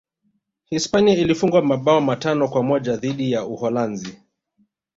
hispania ilifungwa mabao matano kwa moja dhidi ya uholanzi